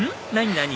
何？